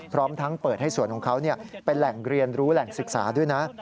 พร้อมทั้งเปิดให้สวนของเขาเป็นแหล่งเรียนรู้แหล่งศึกษาด้วยนะ